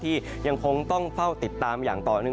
ที่ยังคงต้องเฝ้าติดตามอย่างต่อเนื่อง